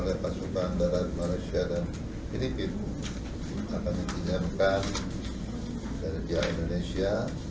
oleh pasukan darat malaysia dan filipina akan dipindahkan dari pihak indonesia